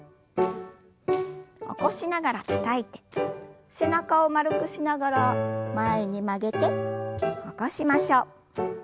起こしながらたたいて背中を丸くしながら前に曲げて起こしましょう。